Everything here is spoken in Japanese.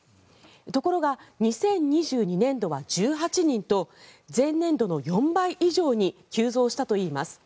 ところが２０２２年度は１８人と前年度の４倍以上に急増したといいます。